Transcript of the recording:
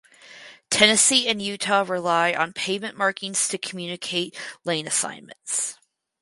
Tennessee and Utah rely on pavement markings to communicate lane assignments.